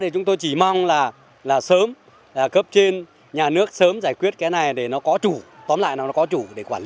chúng tôi chỉ mong là sớm cấp trên nhà nước sớm giải quyết cái này để nó có chủ tóm lại nó có chủ